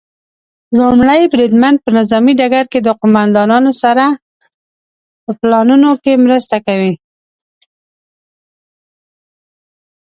لومړی بریدمن په نظامي ډګر کې د قوماندانانو سره په پلانونو کې مرسته کوي.